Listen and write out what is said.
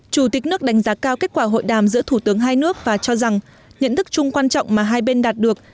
chủ tịch nước đánh giá cao kết quả hội đàm giữa thủ tướng hai nước và cho rằng nhận thức chung quan trọng mà hai bên đạt được